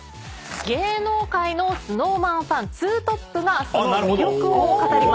芸能界のＳｎｏｗＭａｎファン２トップがその魅力を語ります。